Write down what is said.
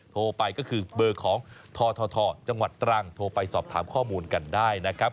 โทรไปก็คือเบอร์ของททจังหวัดตรังโทรไปสอบถามข้อมูลกันได้นะครับ